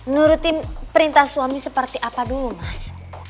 nurutin perintah suami seperti apa dulu mas